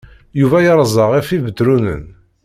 Yuba yerza ɣef Ibetṛunen.